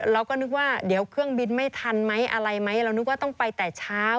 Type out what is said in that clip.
เราก็นึกว่าเดี๋ยวเครื่องบินไม่ทันไหมอะไรไหมเรานึกว่าต้องไปแต่เช้า